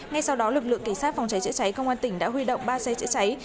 ngay sau đó lực lượng cảnh sát phòng cháy chữa cháy công an tỉnh đã huy động ba xe chữa cháy